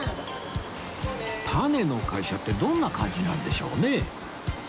タネの会社ってどんな感じなんでしょうね